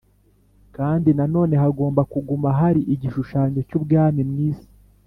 kandi nanone hagomba kuguma hari igishushanyo cy'ubwami mw'isi.